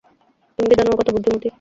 তুমি কি জানো ও কত বুদ্ধিমতী?